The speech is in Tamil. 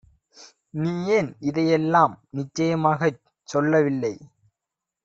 நீயேன் இதையெல்லாம் நிச்சயமாய்ச் சொல்லவில்லை?